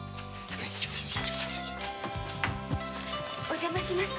お邪魔します。